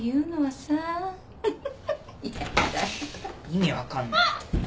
意味分かんない。